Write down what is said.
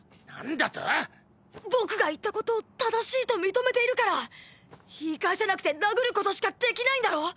何だと⁉僕が言ったことを正しいと認めているから言い返せなくて殴ることしかできないんだろ？